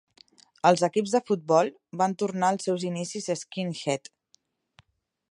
Els equips de futbol van tornar als seus inicis skinhead.